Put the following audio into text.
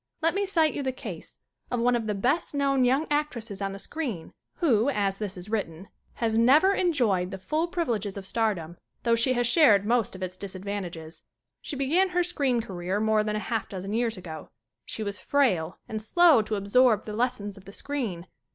Let me cite you the case of one of the best known young actresses on the screen who, as 30 SCREEN ACTING this is written, has never enjoyed the full priv ileges of stardom though she has shared most of its disadvantages. She began her screen career more than a half dozen years ago. She was frail, and slow to absorb the lessons of the screen.